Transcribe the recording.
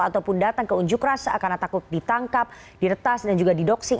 ataupun datang ke unjuk rasa karena takut ditangkap diretas dan juga didoksing